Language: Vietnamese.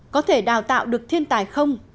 có thể đào tạo được thiên tài không